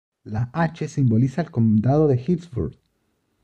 La "H" simboliza el Condado de Hillsborough.